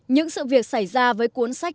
những sự việc xảy ra với cuốn sách